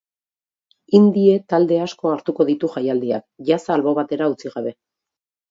Indie talde asko hartuko ditu jaialdiak, jazza albo batera utzi gabe.